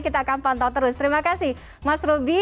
kita akan pantau terus terima kasih mas ruby